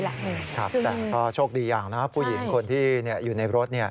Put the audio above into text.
แต่ก็โชคดีอย่างนะผู้หญิงคนที่อยู่ในรถ